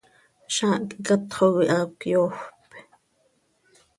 Zaah quih catxo coi haa cöyoofp.